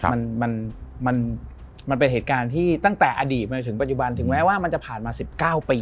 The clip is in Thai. มันมันเป็นเหตุการณ์ที่ตั้งแต่อดีตมาจนถึงปัจจุบันถึงแม้ว่ามันจะผ่านมา๑๙ปี